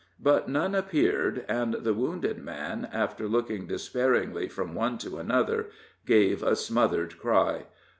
But none appeared, and the wounded man, after looking despairingly from one to another, gave a smothered cry.